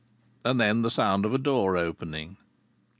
And then the sound of a door opening.